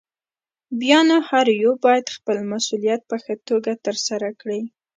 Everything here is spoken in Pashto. بيا نو هر يو بايد خپل مسؤليت په ښه توګه ترسره کړي.